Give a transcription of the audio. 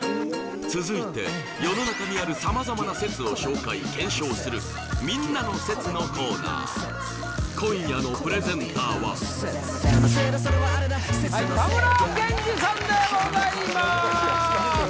続いて世の中にある様々な説を紹介検証するみんなの説のコーナー今夜のプレゼンターははいたむらけんじさんでございます